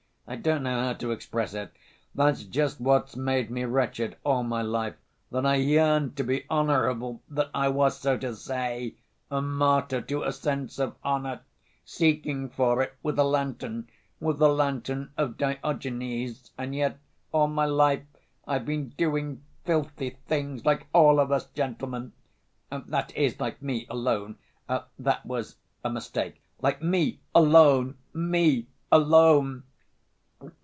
I don't know how to express it. That's just what's made me wretched all my life, that I yearned to be honorable, that I was, so to say, a martyr to a sense of honor, seeking for it with a lantern, with the lantern of Diogenes, and yet all my life I've been doing filthy things like all of us, gentlemen ... that is like me alone. That was a mistake, like me alone, me alone!...